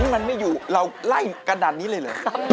นี่มันไม่อยู่เราไล่กระดานนี้เลย